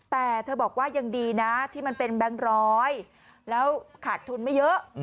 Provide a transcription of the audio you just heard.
แต่เธอบอกว่ายังดีนะที่มันเป็นแบงค์ร้อยแล้วขาดทุนไม่เยอะ